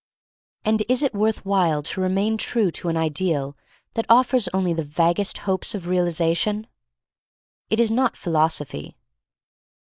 And is it worth while to remain true to an ideal that offers only the vaguest hopes of realization? It is not philos ophy.